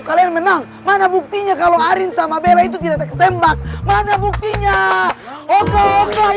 kalian menang mana buktinya kalau ari itu menang makanya kita harus menang ya kalau kita menang makanya kita harus menang ya